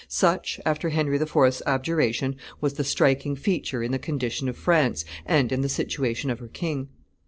Such, after Henry IV.'s abjuration, was the striking feature in the condition of France and in the situation of her king.